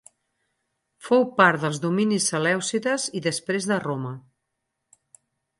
Fou part dels dominis selèucides i després de Roma.